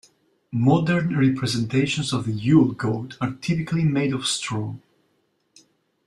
Modern representations of the Yule goat are typically made of straw.